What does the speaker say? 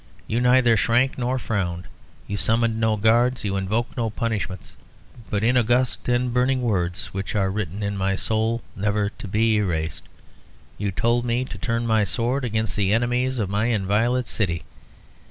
You neither shrank nor frowned. You summoned no guards. You invoked no punishments. But in august and burning words, which are written in my soul, never to be erased, you told me ever to turn my sword against the enemies of my inviolate city.